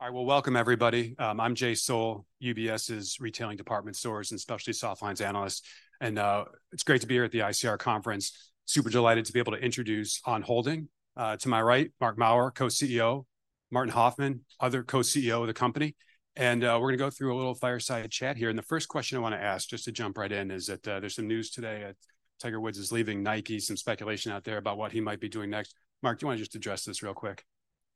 All right. Well, welcome, everybody. I'm Jay Sole, UBS's Retailing Department Stores, and Specialty Softlines Analyst. It's great to be here at the ICR Conference. Super delighted to be able to introduce On Holding. To my right, Marc Maurer, Co-CEO, Martin Hoffmann, other Co-CEO of the company. We're gonna go through a little fireside chat here. The first question I wanna ask, just to jump right in, is that, there's some news today that Tiger Woods is leaving Nike, some speculation out there about what he might be doing next. Marc, do you wanna just address this real quick?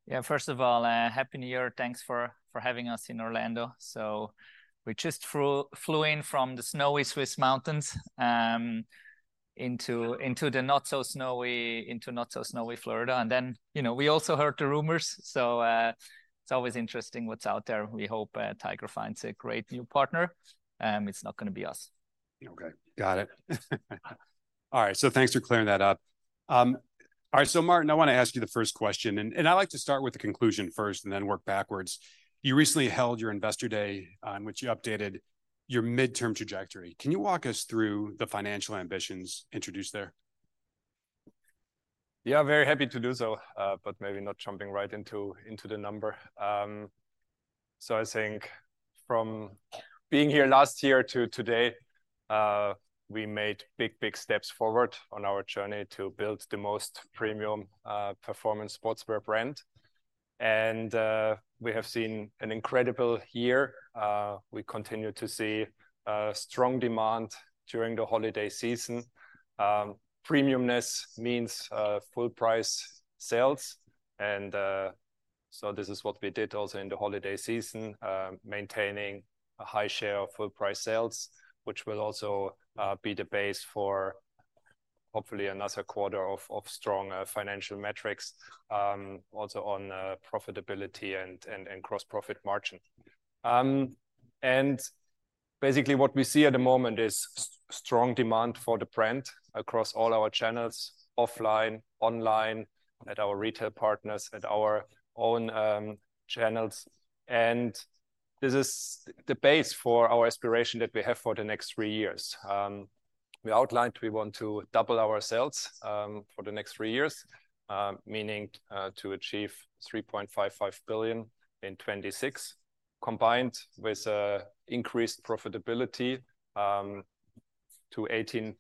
Yeah, first of all, happy New Year. Thanks for, for having us in Orlando. So we just flew, flew in from the snowy Swiss mountains into, into the not-so-snowy, into not-so-snowy Florida. And then, you know, we also heard the rumours. So, it's always interesting what's out there. We hope, Tiger finds a great new partner, it's not gonna be us. Okay. Got it. All right, so thanks for clearing that up. All right, so Martin, I want to ask you the first question, and I like to start with the conclusion first, and then work backwards. You recently held your investor day, on which you updated your midterm trajectory. Can you walk us through the financial ambitions introduced there? Yeah, very happy to do so, but maybe not jumping right into the number. So I think from being here last year to today, we made big, big steps forward on our journey to build the most premium performance sportswear brand. And we have seen an incredible year. We continue to see strong demand during the holiday season. Premiumness means full price sales, and so this is what we did also in the holiday season, maintaining a high share of full price sales, which will also be the base for hopefully another quarter of strong financial metrics, also on profitability and gross profit margin. Basically what we see at the moment is strong demand for the brand across all our channels, offline, online, at our retail partners, at our own channels. This is the base for our aspiration that we have for the next three years. We outlined we want to double our sales for the next three years, meaning to achieve 3.55 billion in 2026, combined with increased profitability to 18%+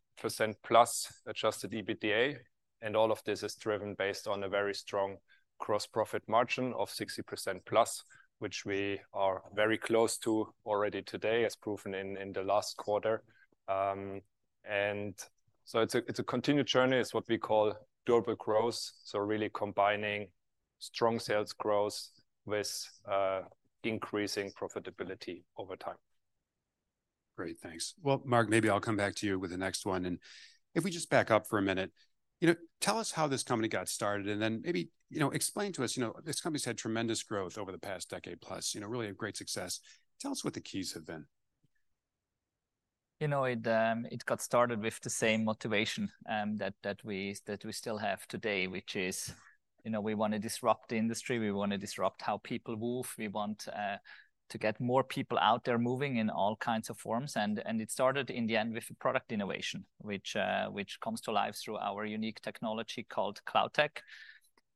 adjusted EBITDA. All of this is driven based on a very strong gross profit margin of 60%+, which we are very close to already today, as proven in the last quarter. So it's a continued journey, it's what we call durable growth, so really combining strong sales growth with increasing profitability over time. Great, thanks. Well, Marc, maybe I'll come back to you with the next one. If we just back up for a minute, you know, tell us how this company got started, and then maybe, you know, explain to us... You know, this company's had tremendous growth over the past decade-plus, you know, really a great success. Tell us what the keys have been. You know, it got started with the same motivation that we still have today, which is, you know, we want to disrupt the industry, we want to disrupt how people move, we want to get more people out there moving in all kinds of forms. It started in the end with product innovation, which comes to life through our unique technology called CloudTec.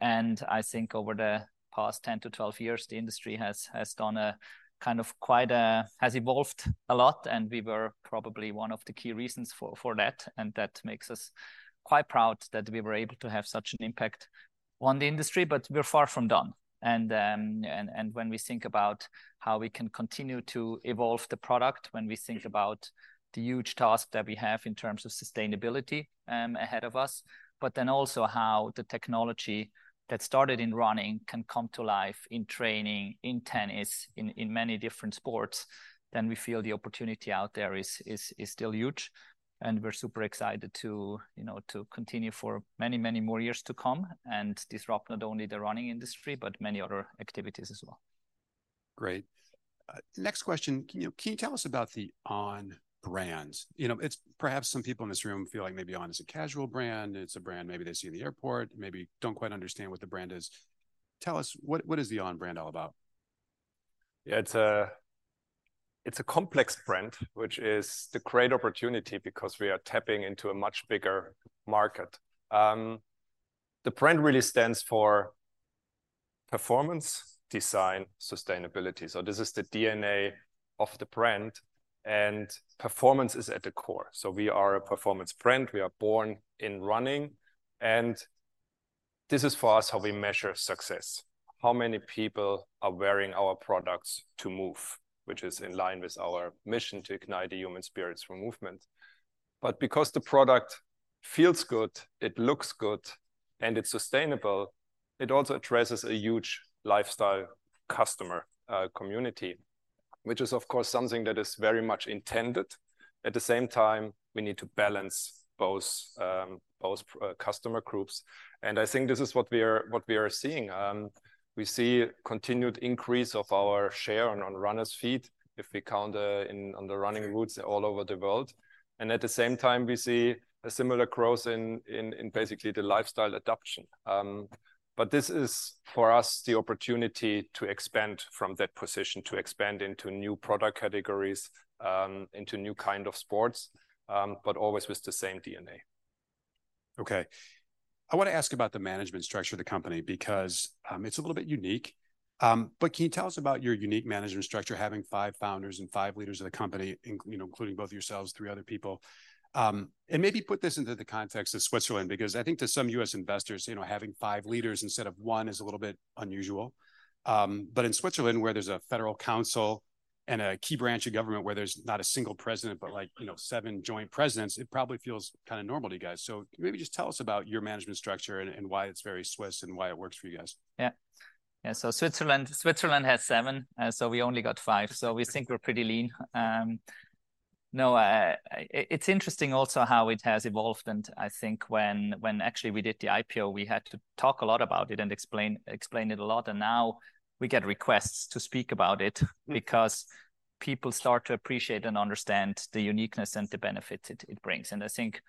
I think over the past 10-12 years, the industry has done a kind of quite... has evolved a lot, and we were probably one of the key reasons for that. That makes us quite proud that we were able to have such an impact on the industry. But we're far from done. When we think about how we can continue to evolve the product, when we think about the huge task that we have in terms of sustainability ahead of us, but then also how the technology that started in running can come to life in training, in tennis, in many different sports, then we feel the opportunity out there is still huge, and we're super excited to, you know, to continue for many, many more years to come and disrupt not only the running industry, but many other activities as well. Great. Next question, can you tell us about the On brands? You know, it's perhaps some people in this room feel like maybe On is a casual brand, it's a brand maybe they see in the airport, maybe don't quite understand what the brand is. Tell us what, what is the On brand all about? Yeah, it's a, it's a complex brand, which is the great opportunity because we are tapping into a much bigger market. The brand really stands for performance, design, sustainability, so this is the DNA of the brand, and performance is at the core. So we are a performance brand, we are born in running, and this is, for us, how we measure success: how many people are wearing our products to move? Which is in line with our mission to ignite the human spirit for movement. But because the product feels good, it looks good, and it's sustainable, it also addresses a huge lifestyle customer, community, which is, of course, something that is very much intended. At the same time, we need to balance both, both customer groups, and I think this is what we are, what we are seeing. We see continued increase of our share on runners' feet if we count on the running routes all over the world. At the same time, we see a similar growth in basically the lifestyle adoption. But this is, for us, the opportunity to expand from that position, to expand into new product categories, into new kind of sports, but always with the same DNA. Okay. I want to ask about the management structure of the company, because it's a little bit unique. But can you tell us about your unique management structure, having five founders and five leaders of the company, including both yourselves, three other people? And maybe put this into the context of Switzerland, because I think to some US investors, you know, having five leaders instead of one is a little bit unusual. But in Switzerland, where there's a federal council and a key branch of government where there's not a single president, but like, you know, seven joint presidents, it probably feels kind of normal to you guys. So maybe just tell us about your management structure and why it's very Swiss, and why it works for you guys. Yeah. Yeah, so Switzerland, Switzerland has 7, so we only got 5, so we think we're pretty lean. No, it's interesting also how it has evolved, and I think when, when actually we did the IPO, we had to talk a lot about it and explain, explain it a lot. And now we get requests to speak about it because people start to appreciate and understand the uniqueness and the benefits it, it brings. And I think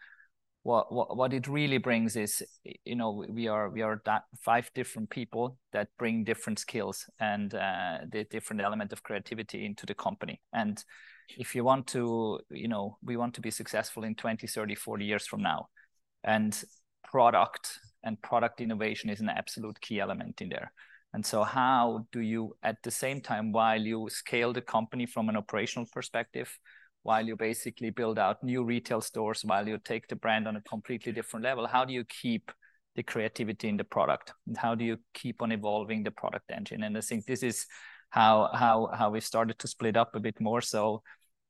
what, what, what it really brings is, you know, we are, we are that 5 different people that bring different skills and, the different element of creativity into the company. And if you want to... you know, we want to be successful in 20, 30, 40 years from now, and product and product innovation is an absolute key element in there. How do you, at the same time, while you scale the company from an operational perspective, while you basically build out new retail stores, while you take the brand on a completely different level, keep the creativity in the product? And how do you keep on evolving the product engine? I think this is how we started to split up a bit more so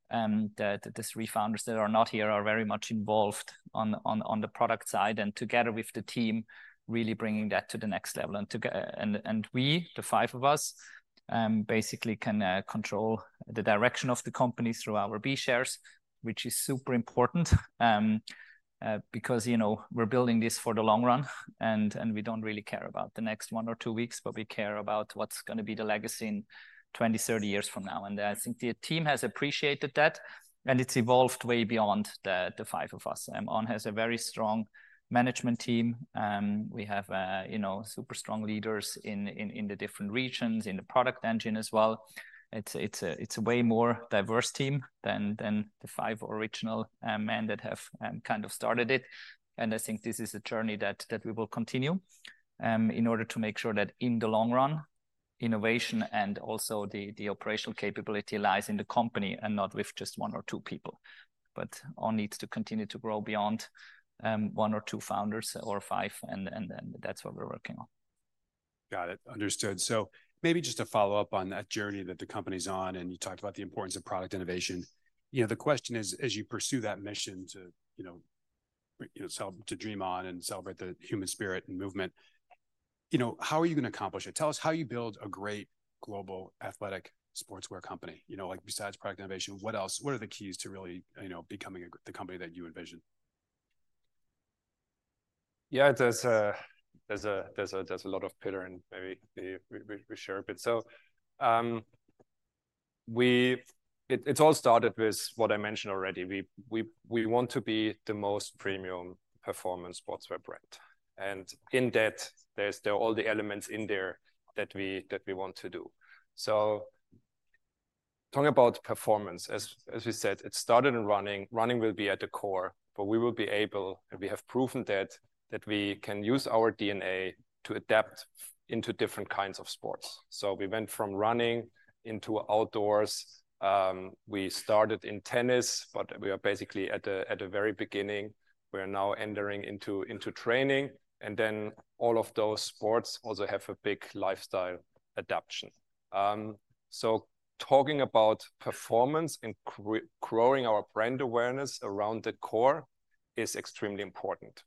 the three founders that are not here are very much involved on the product side, and together with the team, really bringing that to the next level. And together and we, the five of us, basically can control the direction of the company through our B shares, which is super important. Because, you know, we're building this for the long run, and we don't really care about the next 1 or 2 weeks, but we care about what's going to be the legacy in 20, 30 years from now. And I think the team has appreciated that, and it's evolved way beyond the five of us. On has a very strong management team, and we have, you know, super strong leaders in the different regions, in the product engine as well. It's a way more diverse team than the five original men that have kind of started it. I think this is a journey that we will continue in order to make sure that in the long run, innovation and also the operational capability lies in the company and not with just one or two people, but On needs to continue to grow beyond one or two founders, or five, and that's what we're working on. Got it. Understood. So maybe just to follow up on that journey that the company's on, and you talked about the importance of product innovation. You know, the question is, as you pursue that mission to, you know, celebrate to dream on and celebrate the human spirit and movement, you know, how are you going to accomplish it? Tell us how you build a great global athletic sportswear company. You know, like besides product innovation, what else—what are the keys to really, you know, becoming a, the company that you envision? Yeah, there's a lot of pillars, and maybe we share a bit. So, it all started with what I mentioned already. We want to be the most premium performance sportswear brand, and in that, there are all the elements in there that we want to do. So talking about performance, as we said, it started in running. Running will be at the core, but we will be able, and we have proven that we can use our DNA to adapt into different kinds of sports. So we went from running into outdoors. We started in tennis, but we are basically at the very beginning. We are now entering into training, and then all of those sports also have a big lifestyle adaptation. So talking about performance and growing our brand awareness around the core is extremely important.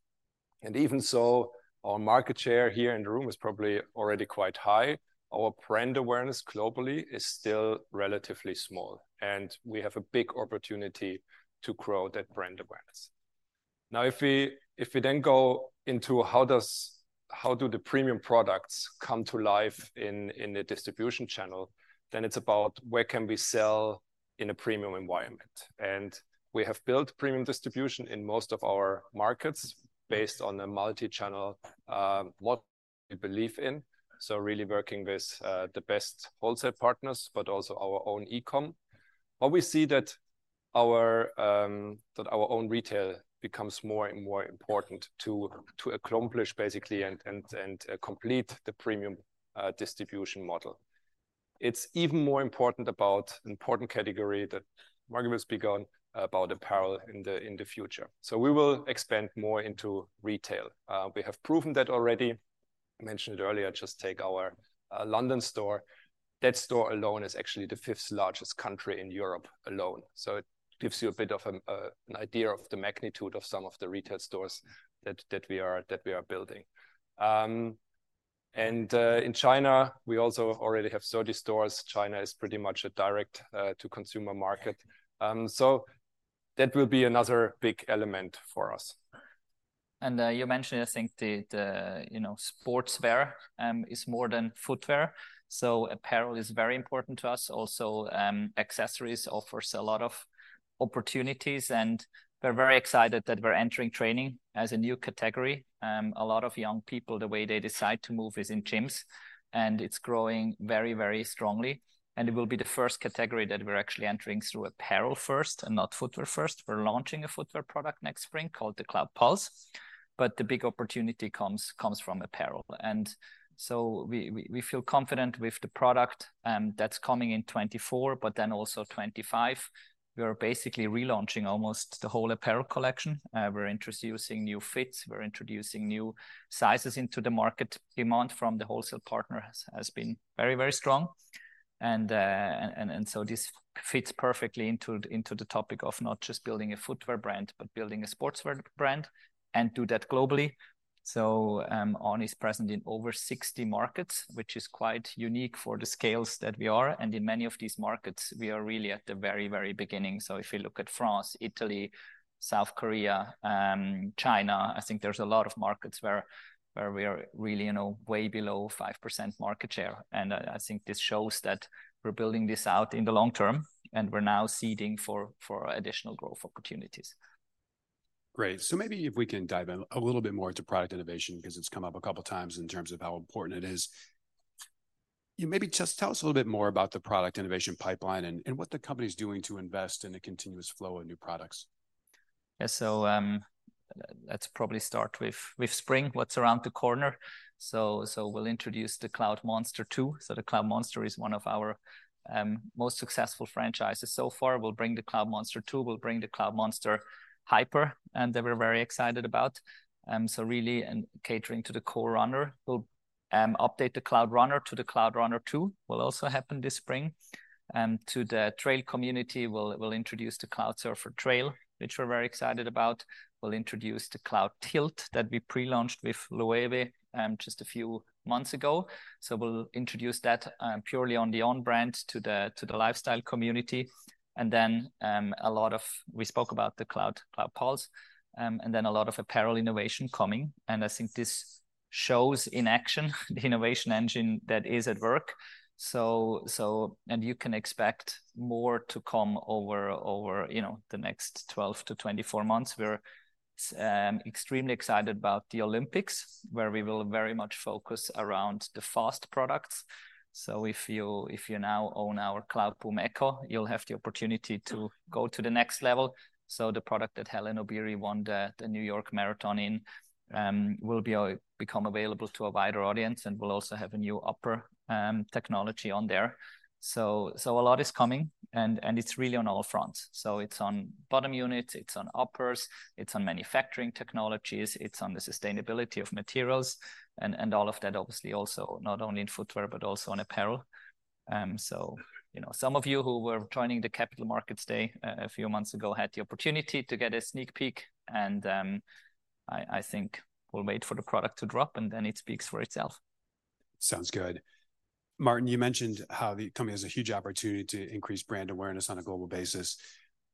And even so, our market share here in the room is probably already quite high. Our brand awareness globally is still relatively small, and we have a big opportunity to grow that brand awareness. Now, if we then go into how do the premium products come to life in the distribution channel, then it's about where can we sell in a premium environment? And we have built premium distribution in most of our markets based on a multi-channel what we believe in, so really working with the best wholesale partners, but also our own e-com. But we see that our own retail becomes more and more important to accomplish basically and complete the premium distribution model. It's even more important about important category that Marc has begun about apparel in the, in the future. So we will expand more into retail. We have proven that already. I mentioned earlier, just take our, London store. That store alone is actually the fifth largest country in Europe alone, so it gives you a bit of a, an idea of the magnitude of some of the retail stores that, that we are, that we are building. And, in China, we also already have 30 stores. China is pretty much a direct-to-consumer market. So that will be another big element for us.... and you mentioned, I think, the, the, you know, sportswear is more than footwear, so apparel is very important to us. Also, accessories offers a lot of opportunities, and we're very excited that we're entering training as a new category. A lot of young people, the way they decide to move is in gyms, and it's growing very, very strongly, and it will be the first category that we're actually entering through apparel first and not footwear first. We're launching a footwear product next spring called the Cloudpulse, but the big opportunity comes from apparel. And so we feel confident with the product that's coming in 2024, but then also 2025. We are basically relaunching almost the whole apparel collection. We're introducing new fits, we're introducing new sizes into the market. Demand from the wholesale partner has been very, very strong. And so this fits perfectly into the topic of not just building a footwear brand, but building a sportswear brand, and do that globally. So, On is present in over 60 markets, which is quite unique for the scales that we are, and in many of these markets, we are really at the very, very beginning. So if you look at France, Italy, South Korea, China, I think there's a lot of markets where we are really, you know, way below 5% market share. And I think this shows that we're building this out in the long term, and we're now seeding for additional growth opportunities. Great. So maybe if we can dive in a little bit more into product innovation, because it's come up a couple of times in terms of how important it is. Yeah, maybe just tell us a little bit more about the product innovation pipeline and, and what the company is doing to invest in a continuous flow of new products. Yeah, so let's probably start with spring, what's around the corner. So we'll introduce the Cloudmonster 2. So the Cloudmonster is one of our most successful franchises so far. We'll bring the Cloudmonster 2, we'll bring the Cloudmonster Hyper, and that we're very excited about. So really, and catering to the core runner, we'll update the Cloudrunner to the Cloudrunner 2, will also happen this spring. To the trail community, we'll introduce the Cloudsurfer Trail, which we're very excited about. We'll introduce the Cloudtilt that we pre-launched with LOEWE just a few months ago. So we'll introduce that purely on the On brand to the lifestyle community. And then, a lot of—we spoke about the Cloud, Cloudpulse, and then a lot of apparel innovation coming, and I think this shows in action, the innovation engine that is at work. So... And you can expect more to come over, over, you know, the next 12-24 months. We're extremely excited about the Olympics, where we will very much focus around the fast products. So if you, if you now own our Cloudboom Echo, you'll have the opportunity to go to the next level. So the product that Hellen Obiri won the, the New York Marathon in, will be a—become available to a wider audience, and we'll also have a new upper, technology on there. So, so a lot is coming, and, and it's really on all fronts. So it's on bottom units, it's on uppers, it's on manufacturing technologies, it's on the sustainability of materials, and, and all of that, obviously, also not only in footwear, but also on apparel. So, you know, some of you who were joining the Capital Markets Day a few months ago had the opportunity to get a sneak peek, and I think we'll wait for the product to drop, and then it speaks for itself. Sounds good. Martin, you mentioned how the company has a huge opportunity to increase brand awareness on a global basis.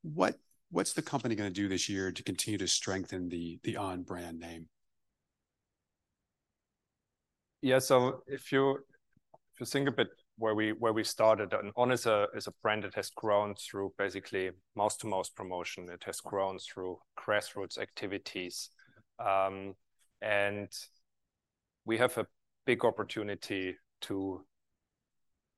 What, what's the company gonna do this year to continue to strengthen the, the On brand name? Yeah, so if you, if you think a bit where we, where we started, and On is a, is a brand that has grown through basically mouth-to-mouth promotion. It has grown through grassroots activities. And we have a big opportunity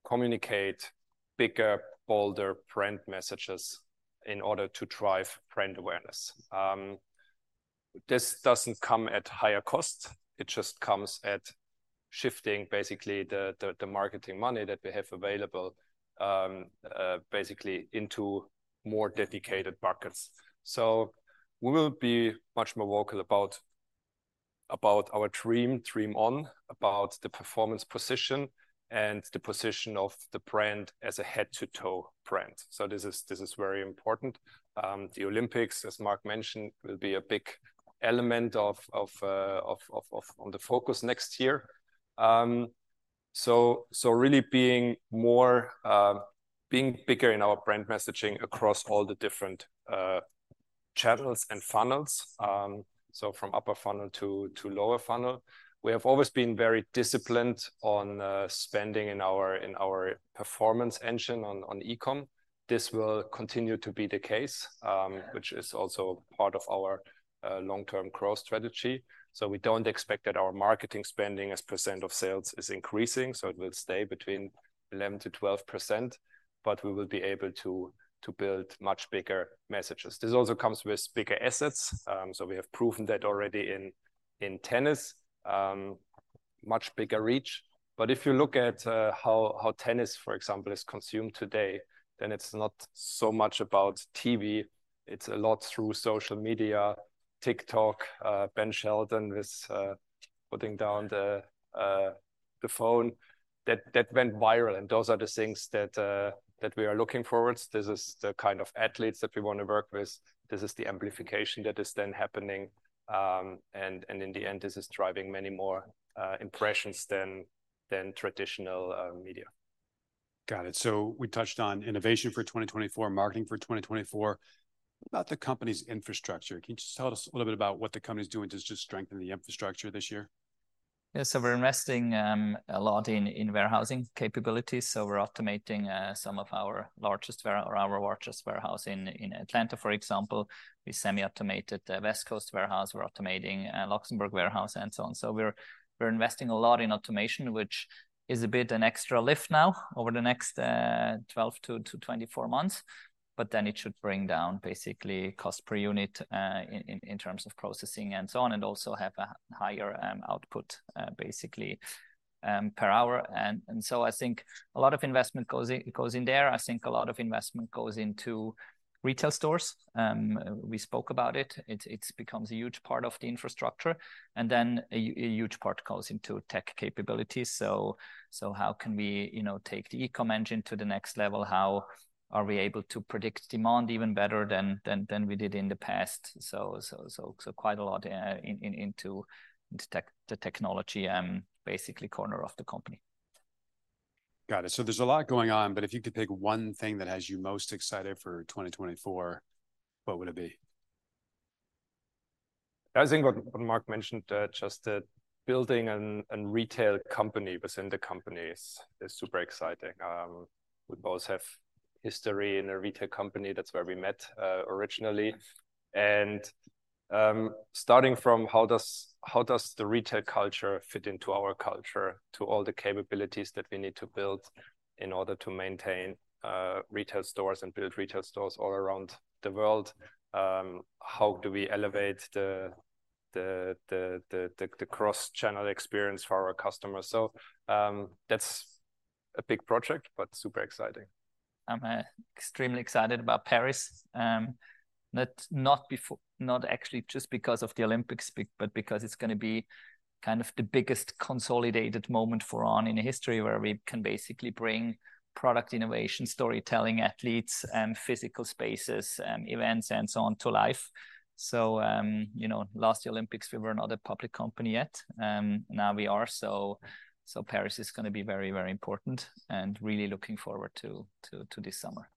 to communicate bigger, bolder brand messages in order to drive brand awareness. This doesn't come at higher cost, it just comes at shifting basically the, the, the marketing money that we have available, basically into more dedicated markets. So we will be much more vocal about, about our dream, Dream On, about the performance position, and the position of the brand as a head-to-toe brand. So this is, this is very important. The Olympics, as Mark mentioned, will be a big element of, of, of, of, on the focus next year. So really being bigger in our brand messaging across all the different channels and funnels, so from upper funnel to lower funnel. We have always been very disciplined on spending in our performance engine on e-com. This will continue to be the case, which is also part of our long-term growth strategy. So we don't expect that our marketing spending as percent of sales is increasing, so it will stay between 11%-12%, but we will be able to build much bigger messages. This also comes with bigger assets. So we have proven that already in tennis, much bigger reach. But if you look at how tennis, for example, is consumed today, then it's not so much about TV, it's a lot through social media, TikTok, Ben Shelton with putting down the phone. That went viral, and those are the things that we are looking towards. This is the kind of athletes that we want to work with. This is the amplification that is then happening, and in the end, this is driving many more impressions than traditional media.... Got it. So we touched on innovation for 2024, marketing for 2024. What about the company's infrastructure? Can you just tell us a little bit about what the company's doing to just strengthen the infrastructure this year? Yeah, so we're investing a lot in warehousing capabilities. So we're automating some of our largest warehouse in Atlanta, for example. We semi-automated the West Coast warehouse, we're automating a Luxembourg warehouse, and so on. So we're investing a lot in automation, which is a bit an extra lift now over the next 12-24 months, but then it should bring down basically cost per unit in terms of processing and so on, and also have a higher output basically per hour. And so I think a lot of investment goes in there. I think a lot of investment goes into retail stores. We spoke about it. It becomes a huge part of the infrastructure, and then a huge part goes into tech capabilities. So, how can we, you know, take the e-com engine to the next level? How are we able to predict demand even better than we did in the past? So quite a lot into the technology, basically corner of the company. Got it. So there's a lot going on, but if you could pick one thing that has you most excited for 2024, what would it be? I think what, what Marc mentioned, just that building an, an retail company within the company is, is super exciting. We both have history in a retail company. That's where we met, originally. And, starting from how does, how does the retail culture fit into our culture, to all the capabilities that we need to build in order to maintain, retail stores and build retail stores all around the world? How do we elevate the, the, the, the, the, the cross-channel experience for our customers? So, that's a big project, but super exciting. I'm extremely excited about Paris. Not actually just because of the Olympics, but because it's gonna be kind of the biggest consolidated moment for On in history, where we can basically bring product innovation, storytelling, athletes, and physical spaces, and events, and so on to life. You know, last Olympics, we were not a public company yet, now we are. So Paris is gonna be very, very important, and really looking forward to this summer.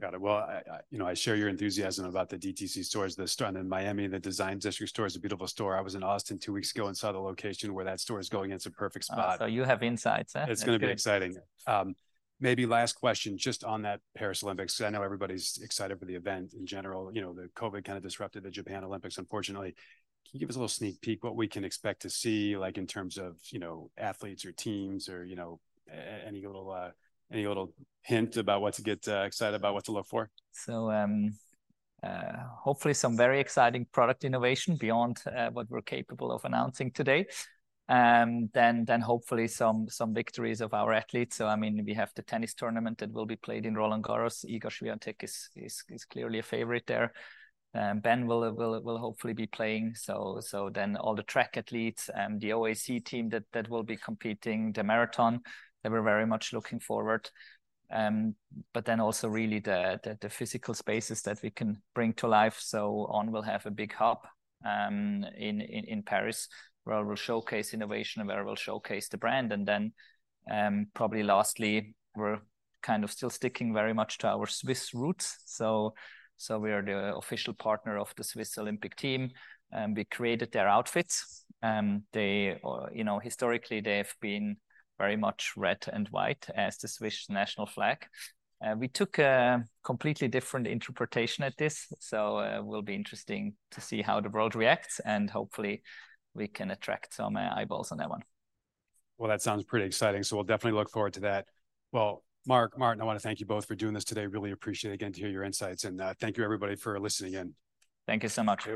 Got it. Well, you know, I share your enthusiasm about the DTC stores, the store in Miami Design District store is a beautiful store. I was in Austin two weeks ago and saw the location where that store is going. It's a perfect spot. Oh, so you have insights, eh? That's good. It's gonna be exciting. Maybe last question, just on that Paris Olympics, because I know everybody's excited for the event in general. You know, the COVID kind of disrupted the Japan Olympics, unfortunately. Can you give us a little sneak peek what we can expect to see, like, in terms of, you know, athletes or teams or, you know, any little hint about what to get excited about, what to look for? So, hopefully some very exciting product innovation beyond what we're capable of announcing today. Then hopefully some victories of our athletes. So I mean, we have the tennis tournament that will be played in Roland-Garros. Iga Świątek is clearly a favorite there. Ben will hopefully be playing. So then all the track athletes and the OAC team that will be competing in the marathon, that we're very much looking forward to. But then also really the physical spaces that we can bring to life. So On will have a big hub in Paris, where we'll showcase innovation and where we'll showcase the brand. And then probably lastly, we're kind of still sticking very much to our Swiss roots. We are the official partner of the Swiss Olympic team, and we created their outfits. They, or, you know, historically, they've been very much red and white, as the Swiss national flag. We took a completely different interpretation at this, so will be interesting to see how the world reacts, and hopefully we can attract some eyeballs on that one. Well, that sounds pretty exciting, so we'll definitely look forward to that. Well, Marc, Martin, I want to thank you both for doing this today. Really appreciate, again, to hear your insights, and thank you everybody for listening in. Thank you so much.